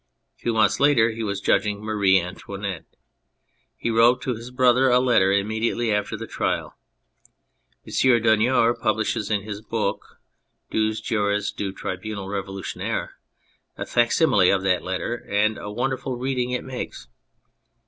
Two months later he was judging Marie Antoinette. He wrote to his brother a letter immediately after the trial. M. Dunoyer publishes in his book (Deux Jures du Tribunal Revolutionnaire) A facsimile of that letter, and wonderful reading it makes.